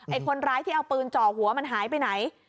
คนร้ายที่เอาปืนจ่อหัวมันหายไปไหน